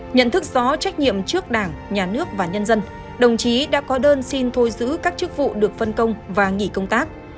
nhận thức rõ trách nhiệm trước đảng nhà nước và nhân dân đồng chí đã có đơn xin thôi giữ các chức vụ được phân công và nghỉ công tác